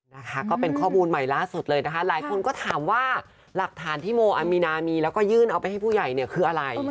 นะคะก็เป็นข้อมูลใหม่ล่าสุดเลยนะคะหลายคนก็ถามว่าหลักฐานที่โมอามีนามีแล้วก็ยื่นเอาไปให้ผู้ใหญ่เนี่ยคืออะไร